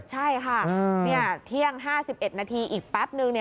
ใช่ค่ะเที่ยง๕๑นาทีอีกแป๊บนึง